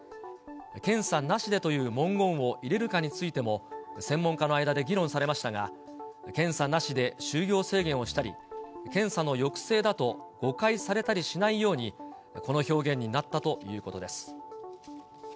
検査なしでという文言を入れるかについても、専門家の間で議論されましたが、検査なしで就業制限をしたり、検査の抑制だと誤解されたりしないように、この表現になったということです。